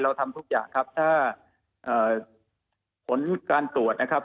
ทำทุกอย่างครับถ้าผลการตรวจนะครับ